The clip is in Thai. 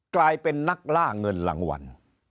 กลายเป็นนักล่าเงินรางวัล